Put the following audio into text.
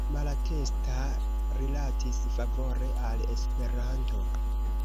Malatesta rilatis favore al Esperanto.